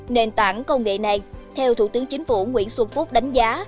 nền tảng công nghệ này theo thủ tướng chính phủ nguyễn xuân phúc đánh giá